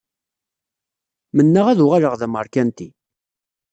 Mennaɣ ad uɣaleɣ d ameṛkanti